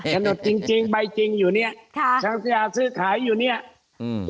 ฉนดจริงจริงใบจริงอยู่เนี้ยค่ะทางสัญญาซื้อขายอยู่เนี้ยอืม